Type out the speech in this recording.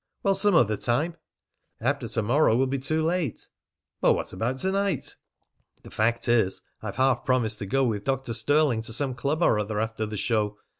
"Well, some other time?" "After to morrow will be too late." "Well, what about to night?" "The fact is, I've half promised to go with Dr. Stirling to some club or other after the show.